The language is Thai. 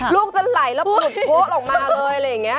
ลูกจะไหลแล้วปุดโพะออกมาเลยอะไรอย่างนี้